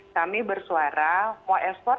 kami bersuara mau ekspor